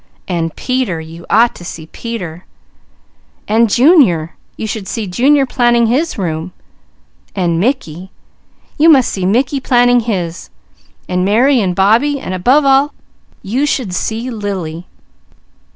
And Peter! You ought to see Peter! And Junior! You should see Junior planning his room. And Mickey! You must see Mickey planning his! And Mary and Bobbie! And above all, you should see Lily!